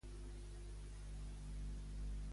Quines paraules li va dedicar el sant pare a l'aucell?